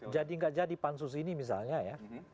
jadi tidak jadi pansus ini misalnya ya